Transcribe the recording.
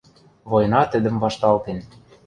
Война тӹдӹм вашталтен.